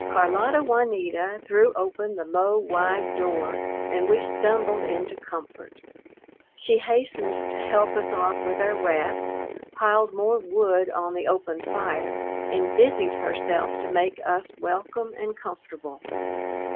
Carlota Juanita threw open the low, wide door and we stumbled into comfort. She hastened to help us off with our wraps, piled more wood on the open fire, and busied herself to make us welcome and comfortable.